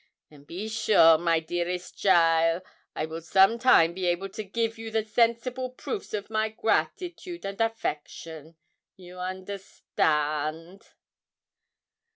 And be sure, my dearest cheaile, I will some time be able to give you the sensible proofs of my gratitude and affection you understand.